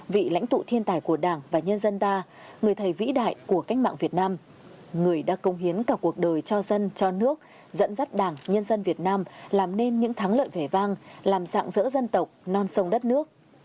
vị lãnh tụ thiên tài của đảng và nhân dân ta người thầy vĩ đại của cách mạng việt nam người đã công hiến cả cuộc đời cho dân cho nước dẫn dắt đảng nhân dân việt nam làm nên những thắng lợi vẻ vang làm dạng dỡ dân tộc non sông đất nước